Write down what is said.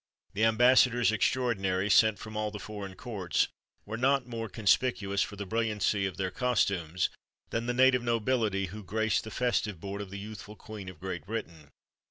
The Ambassadors Extraordinary, sent from all the foreign courts, were not more conspicuous for the brilliancy of their costumes than the native nobility who graced the festive board of the youthful Queen of Great Britain.